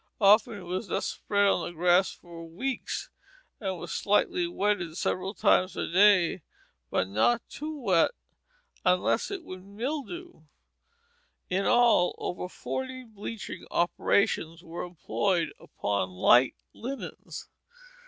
Often it was thus spread on the grass for weeks, and was slightly wetted several times a day; but not too wet, else it would mildew. In all, over forty bleaching operations were employed upon "light linens."